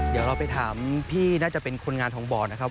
เดี๋ยวเราไปถามพี่น่าจะเป็นคนงานของบ่อนะครับ